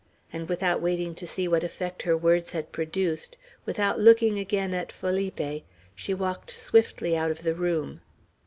and without waiting to see what effect her words had produced, without looking again at Felipe, she walked swiftly out of the room.